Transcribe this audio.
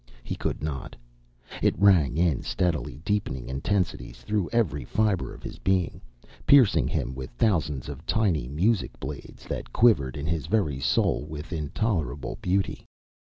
He could not. It rang in steadily deepening intensities through every fiber of his being, piercing him with thousands of tiny music blades that quivered in his very soul with intolerable beauty.